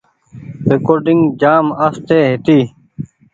ريڪوڊنگ جآم آستي هيتي۔